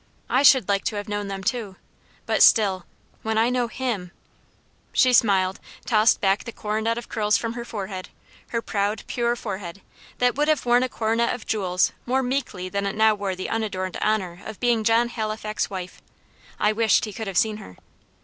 "I should like to have known them too. But still when I know HIM " She smiled, tossed back the coronet of curls from her forehead her proud, pure forehead, that would have worn a coronet of jewels more meekly than it now wore the unadorned honour of being John Halifax's wife. I wished he could have seen her.